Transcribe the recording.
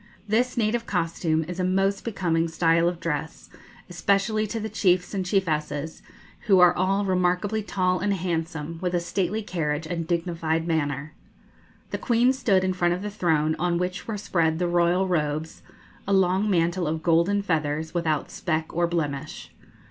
This native costume is a most becoming style of dress, especially to the chiefs and chiefesses, who are all remarkably tall and handsome, with a stately carriage and dignified manner. The Queen stood in front of the throne, on which were spread the royal robes, a long mantle of golden feathers, without speck or blemish.